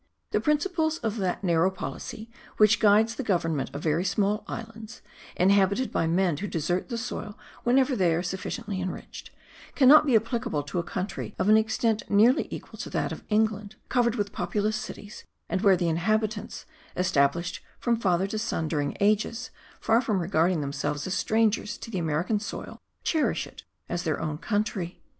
The principles of that narrow policy which guides the government of very small islands, inhabited by men who desert the soil whenever they are sufficiently enriched, cannot be applicable to a country of an extent nearly equal to that of England, covered with populous cities, and where the inhabitants, established from father to son during ages, far from regarding themselves as strangers to the American soil, cherish it as their own country.